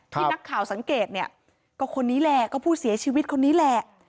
ที่นักข่าวสังเกตเนี่ยก็คนนี้แหละก็ผู้เสียชีวิตคนนี้แหละ